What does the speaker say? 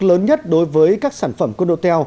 lớn nhất đối với các sản phẩm cô nô tè